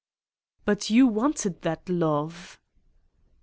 5 ' "But you wanted that love?"